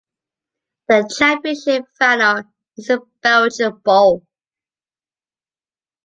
The championship final is the Belgian Bowl.